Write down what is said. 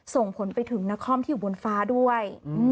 ส่งผลไปถึงนครที่อยู่บนฟ้าด้วย